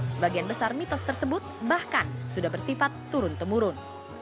sebagian besar mitos tersebut bahkan sudah bersifat turun temurun